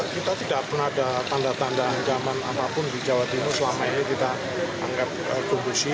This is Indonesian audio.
kita tidak pernah ada tanda tanda ancaman apapun di jawa timur selama ini kita anggap kondusi